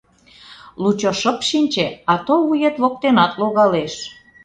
Лучо шып шинче, ато вует воктенат логалеш.